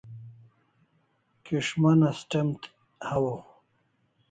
Kis'man as tem hawaw